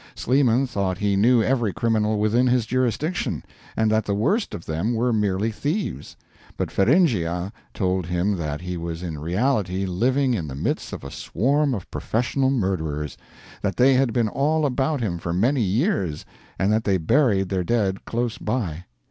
Sleeman thought he knew every criminal within his jurisdiction, and that the worst of them were merely thieves; but Feringhea told him that he was in reality living in the midst of a swarm of professional murderers; that they had been all about him for many years, and that they buried their dead close by.